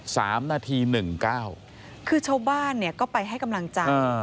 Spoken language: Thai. สามนาทีหนึ่งเก้าคือชาวบ้านเนี่ยก็ไปให้กำลังใจอ่า